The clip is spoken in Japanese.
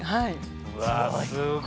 うわすごい！